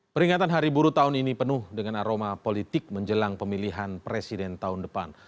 peringatan hari buruh tahun ini penuh dengan aroma politik menjelang pemilihan presiden tahun depan